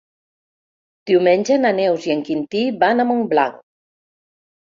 Diumenge na Neus i en Quintí van a Montblanc.